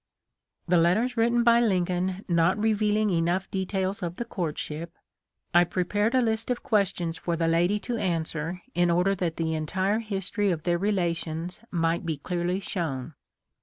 The letters written by Lincoln not revealing enough details of the courtship, I prepared a list of questions for the lady to answer in order that the entire history of their relations might be clearly shown.